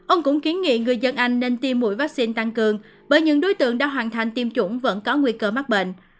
ông cũng kiến nghị người dân anh nên tiêm mũi vaccine tăng cường bởi những đối tượng đã hoàn thành tiêm chủng vẫn có nguy cơ mắc bệnh